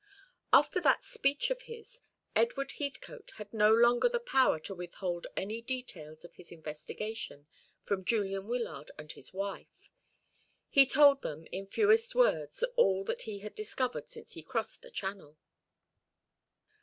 After that speech of his, Edward Heathcote had no longer the power to withhold any details of his investigation from Julian Wyllard and his wife. He told them in fewest words all that he had discovered since he crossed the Channel.